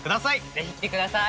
ぜひ来てください。